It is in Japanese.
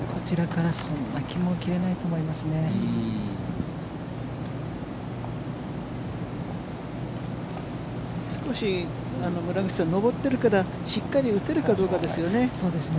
村口さん、少し上っているから、しっかり打てるかどうかですよね。